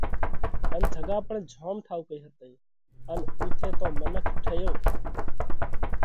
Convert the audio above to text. ان جڳا پڻ جوم ٺائُوڪئي هتئي ان اُوٿئہ تون منک ٺيو